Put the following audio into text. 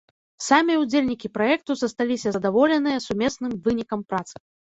Самі ўдзельнікі праекту засталіся задаволеныя сумесным вынікам працы.